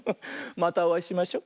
またおあいしましょ。